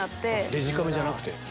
デジカメじゃなくて。